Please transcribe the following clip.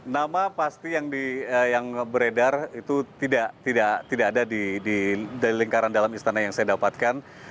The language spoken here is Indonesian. nama pasti yang beredar itu tidak ada di lingkaran dalam istana yang saya dapatkan